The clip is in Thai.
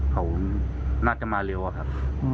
เขาน่าจะมาเร็วอะครับ